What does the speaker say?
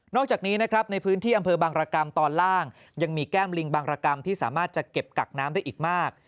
อกจากนี้นะครับในพื้นที่อำเภอบางรกรรมตอนล่างยังมีแก้มลิงบางรกรรมที่สามารถจะเก็บกักน้ำได้อีกมาก